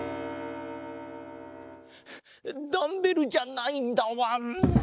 ダンベルじゃないんだわん。